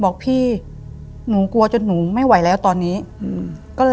บอกพี่หนูกลัวจนหนูไม่ไหวแล้วตอนนี้อืมก็เลย